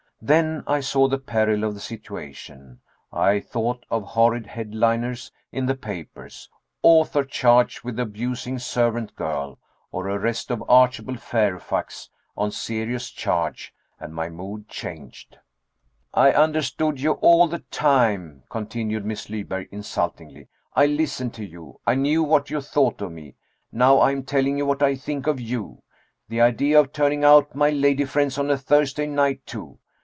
Then I saw the peril of the situation. I thought of horrid headliners in the papers: "Author charged with abusing servant girl," or, "Arrest of Archibald Fairfax on serious charge," and my mood changed. "I understood you all the time," continued Miss Lyberg insultingly. "I listened to you. I knew what you thought of me. Now I'm telling you what I think of you. The idea of turning out my lady friends, on a Thursday night, too!